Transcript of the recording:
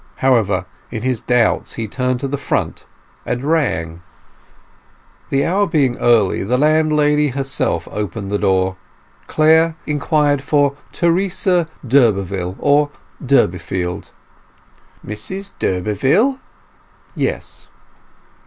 However, in his doubts he turned to the front, and rang. The hour being early, the landlady herself opened the door. Clare inquired for Teresa d'Urberville or Durbeyfield. "Mrs d'Urberville?" "Yes."